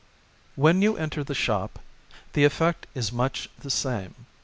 When you enter the shop the effect is much the same.